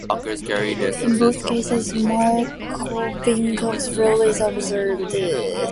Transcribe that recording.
In both cases, Markovnikov's rule is observed.